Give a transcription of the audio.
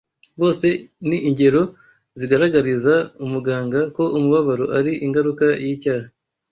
bose ni ingero zigaragariza umuganga ko umubabaro ari ingaruka y’icyaha